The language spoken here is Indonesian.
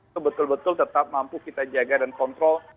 sebetul betul tetap mampu kita jaga dan kontrol